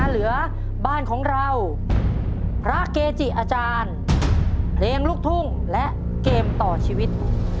เหลือบ้านของเราพระเกจิอาจารย์เพลงลูกทุ่งและเกมต่อชีวิต